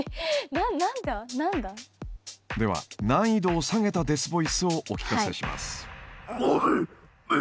では難易度を下げたデスボイスをお聞かせします。